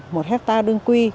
một hectare đường quy